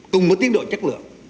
cùng với tiến độ chất lượng